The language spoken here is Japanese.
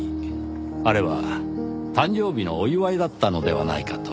あれは誕生日のお祝いだったのではないかと。